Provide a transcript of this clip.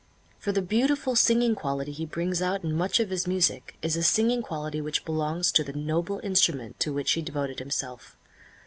For the beautiful singing quality he brings out in much of his music is a singing quality which belongs to the noble instrument to which he devoted himself.